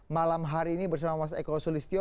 malam hari ini bersama mas eko sulistyo